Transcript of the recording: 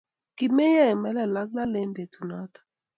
kimeyo eng melel ak lalee eng betunoto